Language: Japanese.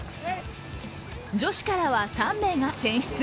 女子からは３名が選出。